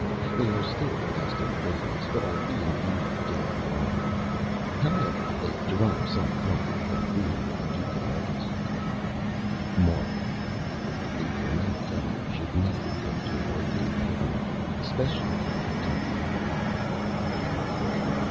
They are still the Best in the Business, but are being used Dead Wrong. However, they derive some Comfort from reading the Paducah Notice. MORAL: _A Dramatic Editor should never go to a Burgoo Picnic especially in Kentucky.